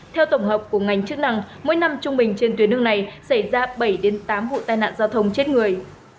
theo tổng hợp của ngành chức năng mỗi năm trung bình trên tuyến đường này xảy ra bảy tám vụ tai nạn giao thông chết người